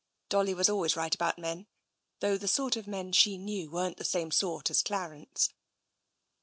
Dolly was always right about men, though the sort of men she knew weren't the same sort as Clarence.